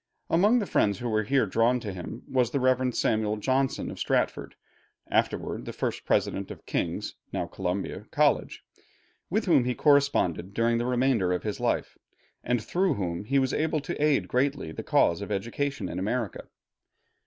Among the friends who were here drawn to him was the Rev. Samuel Johnson of Stratford, afterward the first President of King's (now Columbia) College, with whom he corresponded during the remainder of his life, and through whom he was able to aid greatly the cause of education in America.